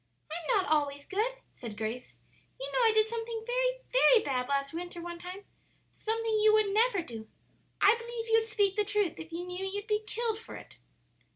"I'm not always good," said Grace; "you know I did something very, very bad last winter one time something you would never do. I b'lieve you'd speak the truth if you knew you'd be killed for it."